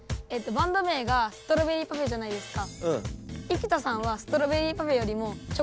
バンド名がストロベリーパフェじゃないですか。